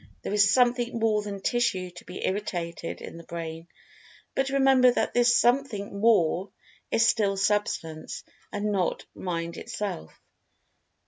There is something more than "tissue to be irritated" in the Brain. But, remember, that this "something more" is still Substance, and not Mind itself.